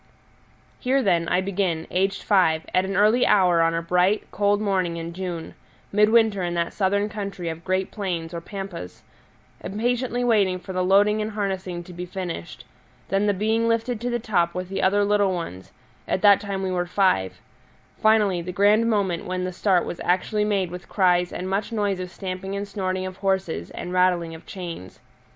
Here, then, I begin, aged five, at an early hour on a bright, cold morning in June midwinter in that southern country of great plains or pampas; impatiently waiting for the loading and harnessing to be finished; then the being lifted to the top with the other little ones at that time we were five; finally, the grand moment when the start was actually made with cries and much noise of stamping and snorting of horses and rattling of chains.